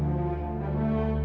aku akan mencari tuhan